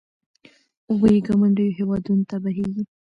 اوبه یې ګاونډیو هېوادونو ته بهېږي.